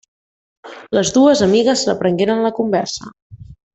Les dues amigues reprengueren la conversa.